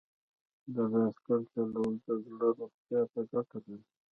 د بایسکل چلول د زړه روغتیا ته ګټه لري.